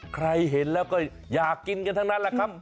ใครเห็นแล้วก็อยากกินกันทั้งนั้นแหละครับ